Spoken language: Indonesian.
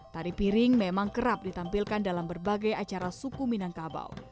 tari piring memang kerap ditampilkan dalam berbagai acara suku minangkabau